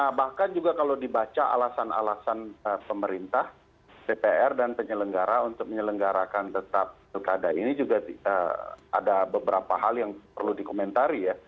nah bahkan juga kalau dibaca alasan alasan pemerintah dpr dan penyelenggara untuk menyelenggarakan tetap pilkada ini juga ada beberapa hal yang perlu dikomentari ya